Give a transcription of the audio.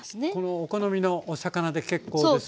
お好みのお魚で結構です。